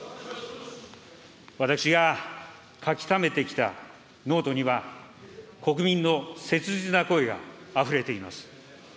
私が書きためてきたノートには、国民の切実な声があふれています。